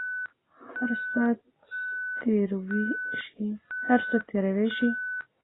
هر څه تېروى سي.